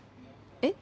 えっ？